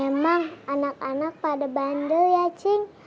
emang anak anak pada bandel ya cing